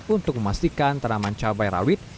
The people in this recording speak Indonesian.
untuk memastikan tanaman cabai rawit